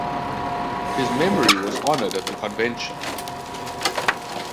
His memory was honored at the convention.